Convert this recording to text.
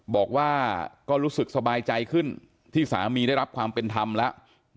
บอกว่าก็รู้สึกสบายใจขึ้นที่สามีได้รับความเป็นธรรมแล้ว